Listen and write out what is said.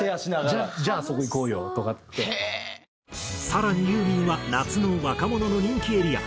更にユーミンは夏の若者の人気エリア